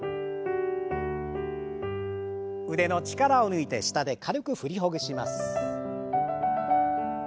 腕の力を抜いて下で軽く振りほぐします。